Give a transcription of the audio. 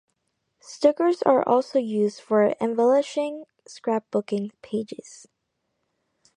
Stickers are also used for embellishing scrapbooking pages.